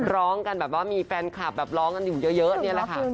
ร้องกันแบบว่ามีแฟนคลับแบบร้องกันอยู่เยอะนี่แหละค่ะ